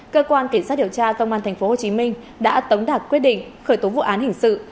cơ quan kỳ sát điều tra công an tp hcm đã tống đạc quyết định khởi tố vụ án hình sách